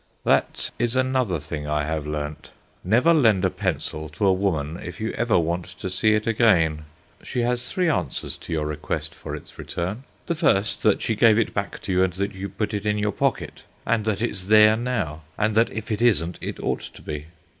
That is another thing I have learnt. Never lend a pencil to a woman if you ever want to see it again. She has three answers to your request for its return. The first, that she gave it back to you and that you put it in your pocket, and that it's there now, and that if it isn't it ought to be.